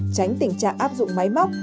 tránh tình trạng áp dụng máy móc